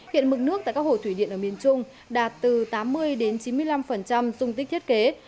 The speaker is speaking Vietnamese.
hiện mực nước tại các hồ thủy điện ở miền trung đạt từ tám mươi chín mươi năm dung tích thiết kế